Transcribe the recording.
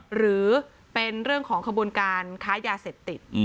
หรือเป็นเรื่องของขบวนการค้ายาเสพติด